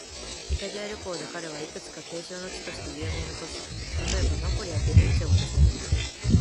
イタリア旅行で彼は、いくつか景勝の地として有名な都市、例えば、ナポリやフィレンツェを訪れた。